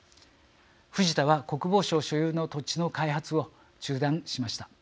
フジタは国防省所有の土地の開発を中断しました。